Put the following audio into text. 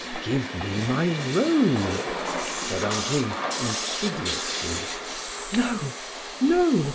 "Give me my robe," said Henri, insidiously. "No, no!"